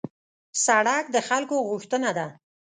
سړک د خلکو غوښتنه ده.